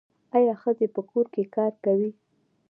آیا ښځې په کور کې کار کوي؟